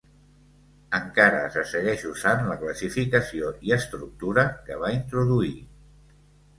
Encara se segueix usant la classificació i estructura que va introduir.